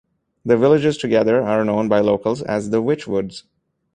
The villages together are known by locals as "The Wychwoods".